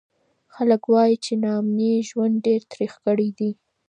خلک وایي چې ناامني ژوند ډېر تریخ کړی دی.